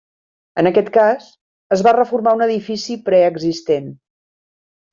En aquest cas, es va reformar un edifici preexistent.